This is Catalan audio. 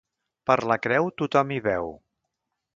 Per la creu tothom hi veu.